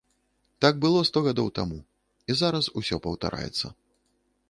Так было сто гадоў таму, і зараз усё паўтараецца.